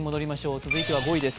続いては５位です。